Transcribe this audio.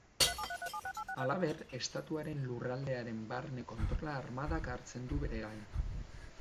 Halaber, estatuaren lurraldearen barne kontrola armadak hartzen du bere gain.